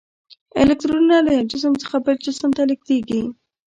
الکترونونه له یو جسم څخه بل جسم ته لیږدیږي.